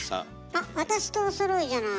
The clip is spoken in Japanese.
あっ私とおそろいじゃない。